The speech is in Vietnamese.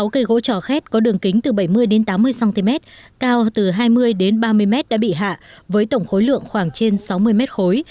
sáu cây gỗ trò khét có đường kính từ bảy mươi tám mươi cm cao từ hai mươi ba mươi m đã bị hạ với tổng khối lượng khoảng trên sáu mươi m khối